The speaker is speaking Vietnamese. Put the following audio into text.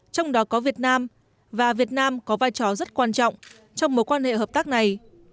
trong đó có việt nam và việt nam có vai trò rất quan trọng trong mối quan hệ hợp tác này